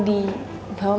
aduh baik kiarn